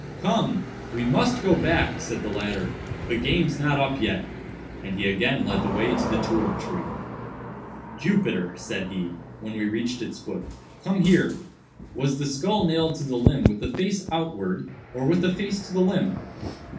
"Come! we must go back," said the latter, "the game's not up yet;" and he again led the way to the tulip tree. "Jupiter," said he, when we reached its foot, "come here! was the skull nailed to the limb with the face outwards, or with the face to the limb?"